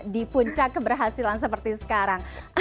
di puncak keberhasilan seperti sekarang